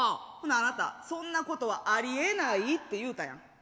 ほなあなた「そんなことはありえない」って言うたやん。